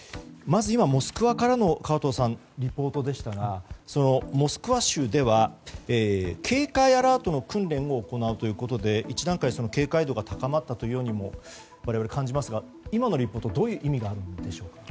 今、モスクワからのリポートでしたがモスクワ州では、警戒アラートの訓練を行うということで１段階警戒度が高まったようにも我々は感じますけど今のリポートどういう意味があるんでしょう。